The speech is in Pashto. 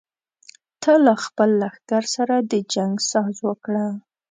ته له خپل لښکر سره د جنګ ساز وکړه.